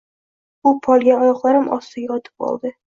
U polga, oyoqlarim ostiga yotib oldi